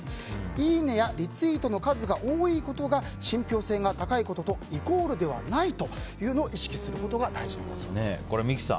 いいねやリツイートの数が多いことが信憑性が高いこととイコールではないというのを認識するのが大事だということです。